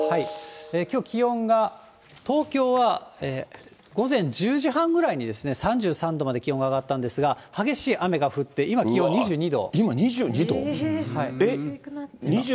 きょう、気温が東京は午前１０時半ぐらいに３３度まで気温が上がったんですが、激しい雨が降って、今、気温２２度。